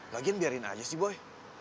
lagian biarin aja sih boy